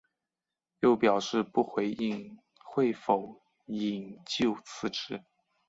又表示不回应会否引咎辞职。